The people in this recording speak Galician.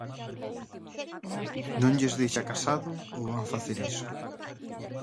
¿Non lles deixa Casado ou van facer iso?